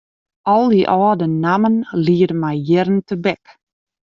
Al dy âlde nammen liede my jierren tebek.